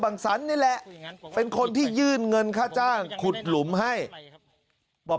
สันนี่แหละเป็นคนที่ยื่นเงินค่าจ้างขุดหลุมให้บอก